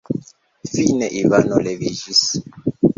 Fine Ivano leviĝis.